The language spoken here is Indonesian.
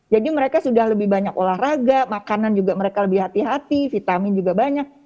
jadi mereka sudah lebih banyak olahraga makanan juga mereka lebih hati hati vitamin juga banyak